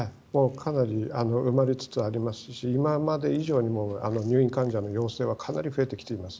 かなり埋まりつつありますし、今まで以上に入院患者の要請はかなり増えてきています。